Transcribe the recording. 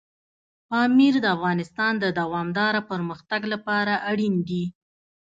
پامیر د افغانستان د دوامداره پرمختګ لپاره اړین دي.